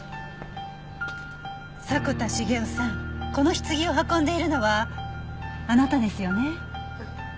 迫田茂夫さんこの棺を運んでいるのはあなたですよね？